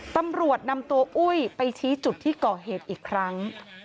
ตำรวจนำตัวอุ้ยไปชี้จุดที่ก่อเหตุอีกครั้ง